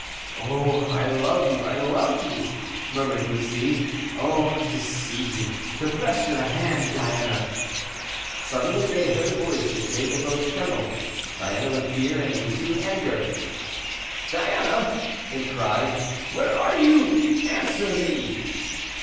"Oh! I love you! I love you!" murmured Bussy. "Oh! to see you, to press your hand, Diana." Suddenly they heard a voice which made them both tremble, Diana with fear, and Bussy with anger. "Diana!" it cried, "where are you? Answer me."